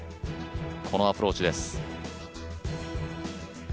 このアプローチです。